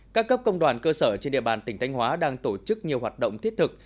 các cấp công đoàn cơ sở trên địa bàn tỉnh thanh hóa đang tổ chức nhiều hoạt động thiết thực